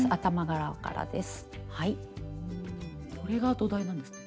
これが土台になるんですね。